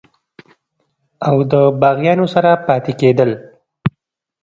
او دَباغيانو سره پاتې کيدل